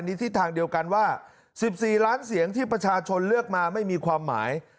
ทิศทางเดียวกันว่า๑๔ล้านเสียงที่ประชาชนเลือกมาไม่มีความหมาย